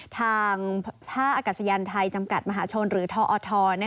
ทางท่าอากาศยานไทยจำกัดมหาชนหรือทอท